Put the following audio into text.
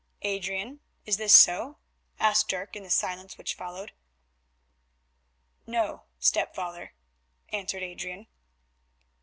"Adrian, is this so?" asked Dirk in the silence which followed. "No, stepfather," answered Adrian.